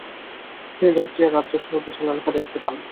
তিনি জর্জিয়ার রাজ্য সহ বিশাল এলাকা দেখতে পান।